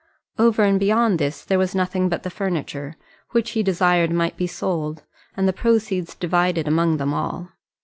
Over and beyond this there was nothing but the furniture, which he desired might be sold, and the proceeds divided among them all.